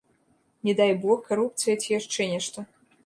Не дай бог карупцыя ці яшчэ нешта.